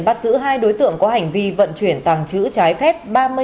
bắt giữ hai đối tượng có hành vi vận chuyển tàng chữ trái phép